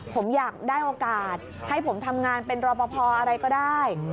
ผมอยากได้โอกาสให้ผมทำงานเป็นรอปภอะไรก็ได้